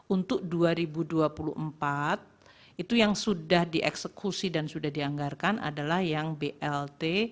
untuk dua ribu dua puluh empat itu yang sudah dieksekusi dan sudah dianggarkan adalah yang blt